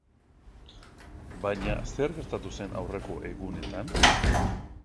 Baina zer gertatu zen aurreko egunetan?